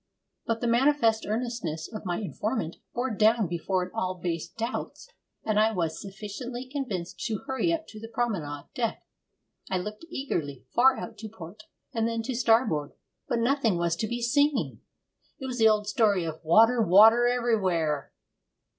But the manifest earnestness of my informant bore down before it all base doubts, and I was sufficiently convinced to hurry up to the promenade deck. I looked eagerly far out to port, and then to starboard, but nothing was to be seen! It was the old story of 'water, water everywhere!'